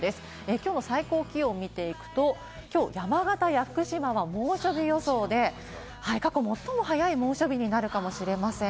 きょうの最高気温を見ていくと、きょう山形や福島は猛暑日予想で過去、最も早い猛暑日になるかもしれません。